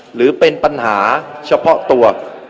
หรือเป็นปัญหาเฉพาะตัว